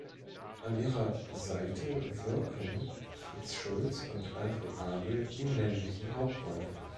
An ihrer Seite wirken Fritz Schulz und Alfred Abel die männlichen Hauptrollen.